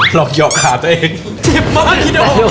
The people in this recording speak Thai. หลอกหยอกขาตัวเองเจ็บมากดิโด